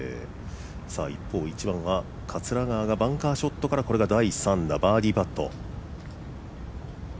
一方、一番は桂川が、バンカーショットから第３打これがバーディーパット。